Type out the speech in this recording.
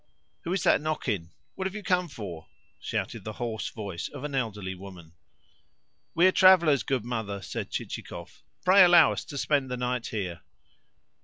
"Who is that knocking? What have you come for?" shouted the hoarse voice of an elderly woman. "We are travellers, good mother," said Chichikov. "Pray allow us to spend the night here."